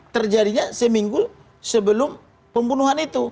terjadinya seminggu sebelum pembunuhan itu